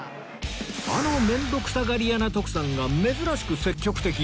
あの面倒くさがり屋な徳さんが珍しく積極的